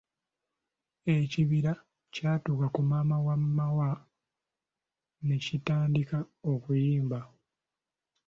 Ekibira kyatuuka ku maama wa Maawa ne kitandika okuyimba,